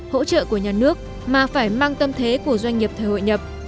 hỗ trợ của nhà nước mà phải mang tâm thế của doanh nghiệp thời hội nhập